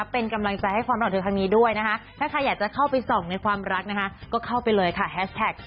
เป็นสปอยไงนิสัยของเขาชอบสปอยแฟน